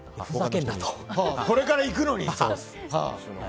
これから行くのに？